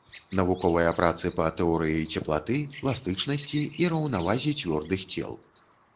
Навуковыя працы па тэорыі цеплаты, пластычнасці і раўнавазе цвёрдых цел.